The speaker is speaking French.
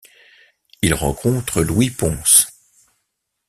Il rencontre Louis Pons.